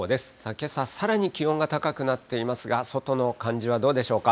けさ、さらに気温が高くなっていますが、外の感じはどうでしょうか？